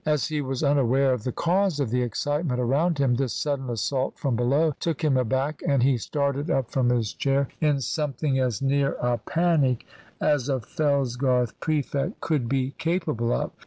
As he was unaware of the cause of the excitement around him, this sudden assault from below took him aback, and he started up from his chair in something as near a panic as a Fellsgarth prefect could be capable of.